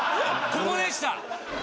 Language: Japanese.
ここでした！